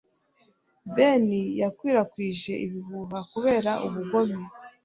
Ben yakwirakwije ibihuha kubera ubugome.